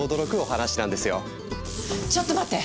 ちょっと待って！